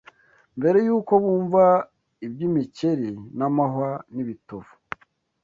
Mbere y’uko bumva iby’imikeri n’amahwa n’ibitovu